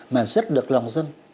mà rất được lòng dân